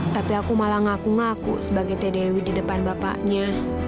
tapi aku malah ngaku ngaku sebagai tdw di depan bapaknya